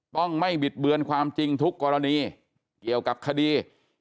ต้องไม่บิดเบือนความจริงทุกกรณีเกี่ยวกับคดี